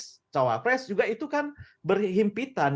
cebacawa pres juga itu kan berhimpitan